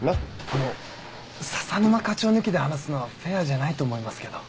あの笹沼課長抜きで話すのはフェアじゃないと思いますけど。